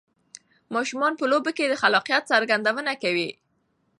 ماشومان په لوبو کې د خلاقیت څرګندونه کوي.